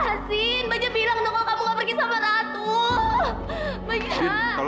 sampai jumpa di video selanjutnya